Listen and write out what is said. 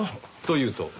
というと？